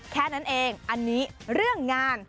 แค่นั้นเองอันนี้เรื่องงาน